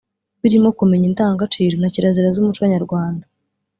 birimo kumenya indangagaciro na kirazira z’umuco nyarwanda